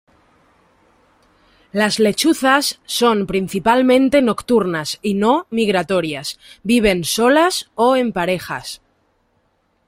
Las lechuzas son principalmente nocturnas y no migratorias; viven solas o en parejas.